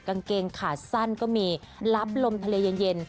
กางเกงขาสั้นก็มีรับลมทะเลเย็น